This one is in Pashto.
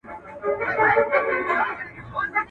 قوماندان وايی بری دی ځو پر لنډه لار رسیږو ..